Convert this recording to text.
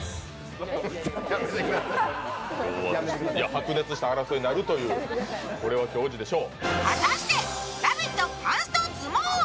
白熱した争いになるというこれは教示でしょう。